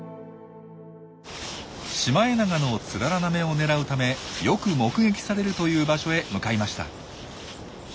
シマエナガのツララなめをねらうためよく目撃されるという場所へ向かいました。